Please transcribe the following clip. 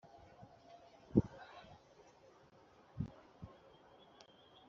Hashize ikihe mbikubwira wowe ntubyemere